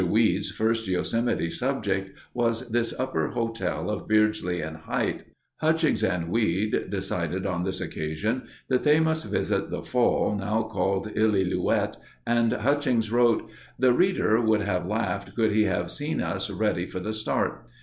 Weed's first Yosemite subject was this Upper Hotel of Beardsley and Hite. Hutchings and Weed decided on this occasion that they must visit the fall now called Illilouette, and Hutchings wrote: The reader would have laughed could he have seen us ready for the start.